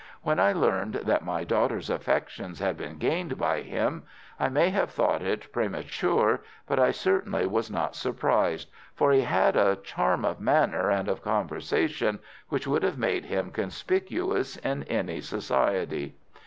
When I learned that my daughter's affections had been gained by him, I may have thought it premature, but I certainly was not surprised, for he had a charm of manner and of conversation which would have made him conspicuous in any society.